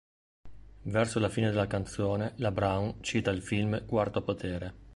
Verso la fine della canzone, la Brown cita il film "Quarto potere".